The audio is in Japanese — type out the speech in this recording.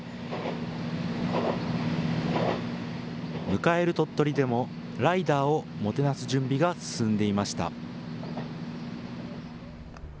迎える鳥取でもライダーをもてなす準備が進んでいました。